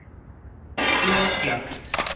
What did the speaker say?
勇俠